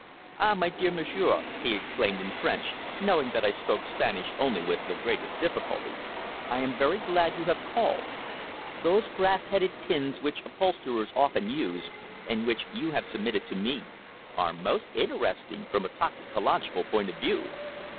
"Ah, my dear monsieur!" he exclaimed in French, knowing that I spoke Spanish only with the greatest difficulty. "I am very glad you have called. Those brass headed pins which upholsterers often use, and which you have submitted to me, are most interesting from a toxicological point of view."